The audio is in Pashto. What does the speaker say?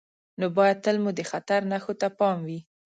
نو باید تل مو د خطر نښو ته پام وي.